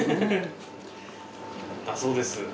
だそうです。